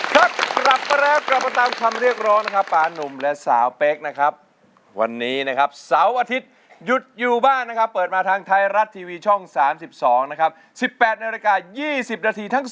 พบกับรายการร้องได้ให้ล้านลูกทุ่งสู้ชีวิต